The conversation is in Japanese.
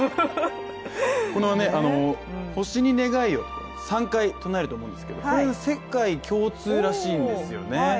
この星に願いをと３回唱えると思うんですけどこれが世界共通らしいんですよね。